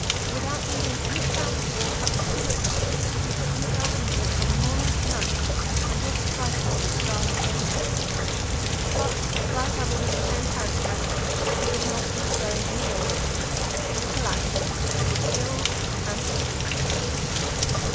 Without needing any shouts or cuts of the whip, he put himself into it from morning to night, and was priceless as a draught dog. But, like others of the same character, he could not keep it going any longer; he collapsed, was killed and eaten.